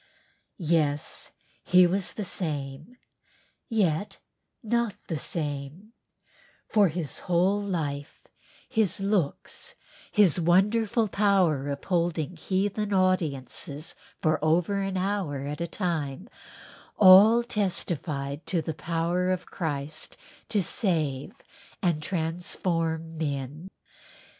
Yes he was the same, yet not the same, for his whole life, his looks, his wonderful power of holding heathen audiences for over an hour at a time all testified to the power of Christ to save and transform men.